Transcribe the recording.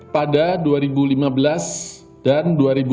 empat satu pada dua ribu lima belas dan dua ribu enam belas